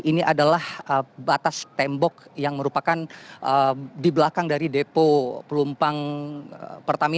ini adalah batas tembok yang merupakan di belakang dari depo pelumpang pertamina